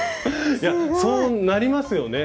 いやそうなりますよね。